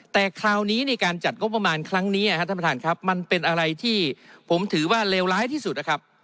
แต่คราวนี้ในการจัดงบประมาณครั้งนี้มันเป็นอะไรที่ผมถือว่าเลวร้ายที่สุด